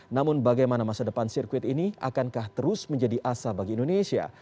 namun bagaimana masa depan sirkuit ini akankah terus menjadi asa bagi indonesia